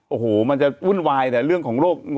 โอ้โหมันจะวุ่นวายแต่เรื่องของโรค